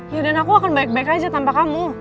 ya dan aku akan baik baik aja tanpa kamu